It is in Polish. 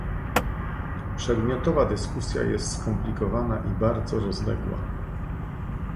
Przedmiotowa dyskusja jest skomplikowana i bardzo rozległa